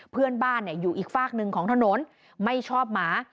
เพื่อนบ้านอยู่อีกฝากหนึ่งของถนนไม่ชอบหมา